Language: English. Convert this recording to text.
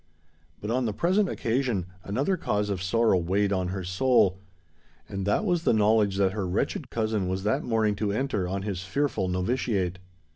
But on the present occasion, another cause of sorrow weighed on her soul—and that was the knowledge that her wretched cousin was that morning to enter on his fearful noviciate!